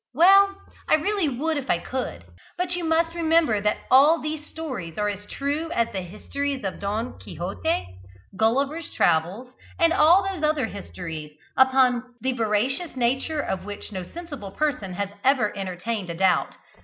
Well, I really would if I could, but you must remember that all these stories are as true as the histories of "Don Quixote," "Baron Munchausen," "Gulliver's Travels," and all those other histories, upon the veracious nature of which no sensible person has ever entertained a doubt.